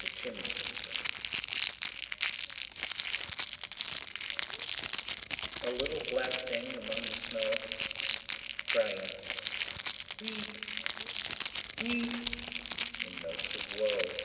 THE CHIMNEY SWEEPER A little black thing among the snow, Crying! 'weep! weep!' in notes of woe!